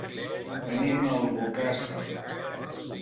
Anem a Albocàsser.